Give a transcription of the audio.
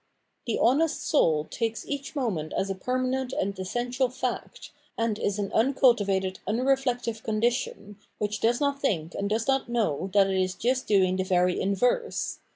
The honest * soul takes each moment as a permanent a nd essential fact, and is an uncultivated unreflective condition, which does not think and does not know that it is just doing the very inverse.